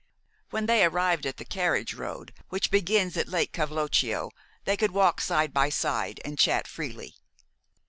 When they arrived at the carriage road, which begins at Lake Cavloccio, they could walk side by side and chat freely.